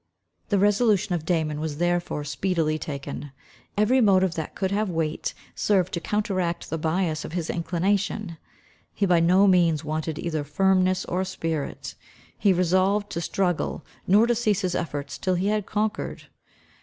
The resolution of Damon was therefore speedily taken. Every motive that could have weight, served to counteract the bias of his inclination. He by no means wanted either firmness or spirit. He resolved to struggle, nor to cease his efforts till he had conquered.